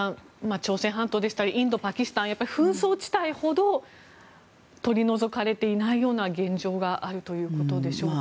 朝鮮半島でしたりインド、パキスタンやっぱり紛争地帯ほど取り除かれていないような現状があるということでしょうか。